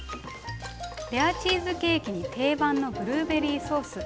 レアチーズケーキに定番のブルーベリーソース。